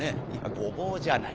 「ごぼうじゃない。